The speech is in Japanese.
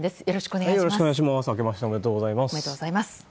よろしくお願いします。